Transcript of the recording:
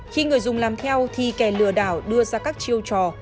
khi người dùng làm theo thì kẻ lừa đảo đưa ra các chiêu trò